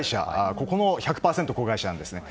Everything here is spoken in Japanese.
ここも１００％子会社なんですね。